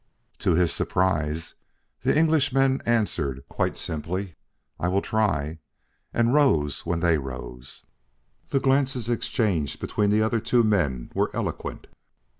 To his surprise, the Englishman answered quite simply, "I will try," and rose when they rose. The glances exchanged between the other two men were eloquent.